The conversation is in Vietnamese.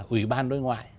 ủy ban đối ngoại